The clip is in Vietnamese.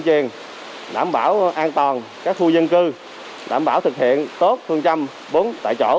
đảm bảo an toàn các khu dân cư đảm bảo thực hiện tốt phương trăm bốn tại chỗ